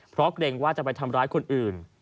เพราะเกรงว่าจะไปทำร้ายคนอื่น